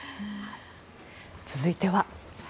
続いては。